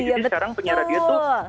jadi sekarang penyiar radio tuh